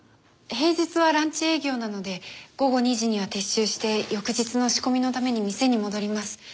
平日はランチ営業なので午後２時には撤収して翌日の仕込みのために店に戻ります。